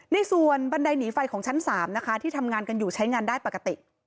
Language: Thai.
ในส่วนบันไดหนีไฟของชั้น๓นะคะที่ทำงานกันอยู่ใช้งานได้ปกติ